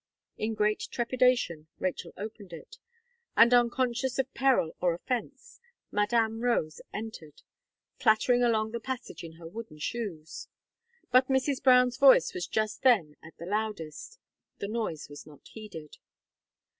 In great trepidation, Rachel opened it, and unconscious of peril or offence, Madame Rose entered, clattering along the passage in her wooden shoes; but Mrs. Brown's voice was just then at the loudest; the noise was not heeded.